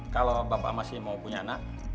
kalau bapak masih mau punya anak